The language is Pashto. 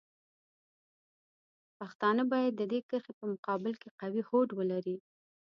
پښتانه باید د دې کرښې په مقابل کې قوي هوډ ولري.